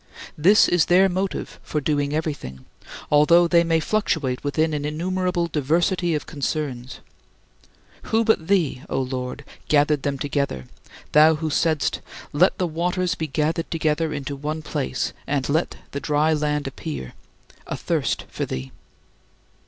This is their motive for doing everything, although they may fluctuate within an innumerable diversity of concerns. Who but thee, O Lord, gathered them together, thou who saidst, "Let the waters be gathered together into one place and let the dry land appear" athirst for thee?